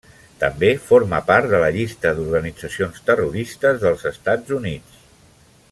També forma part de la llista d'organitzacions terroristes dels Estats Units.